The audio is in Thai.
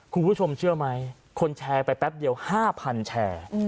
คุณผู้ชมเชื่อไหมคนแชร์ไปแป๊บเดียว๕๐๐แชร์